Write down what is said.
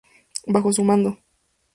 Bajo su mando.